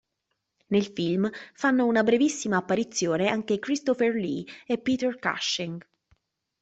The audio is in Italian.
Nel film fanno una brevissima apparizione anche Christopher Lee e Peter Cushing.